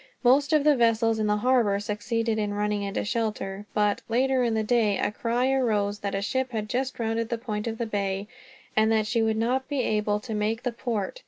Most of the vessels in the harbor succeeded in running into shelter. But, later in the day, a cry arose that a ship had just rounded the point of the bay, and that she would not be able to make the port.